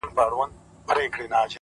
د زيارتـونو يې خورده ماتـه كـړه!